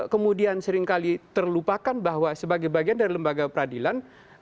kemudian seringkali terlupakan bahwa sebagai bagian dari lembaga peradilan